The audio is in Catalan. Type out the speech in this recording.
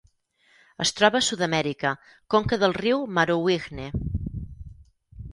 Es troba a Sud-amèrica: conca del riu Marowijne.